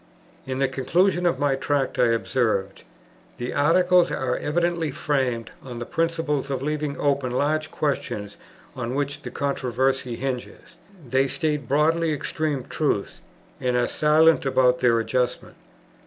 In the conclusion of my Tract I observe: The Articles are "evidently framed on the principle of leaving open large questions on which the controversy hinges. They state broadly extreme truths, and are silent about their adjustment.